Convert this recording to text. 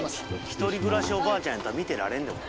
独り暮らしおばあちゃんやと見てられんで。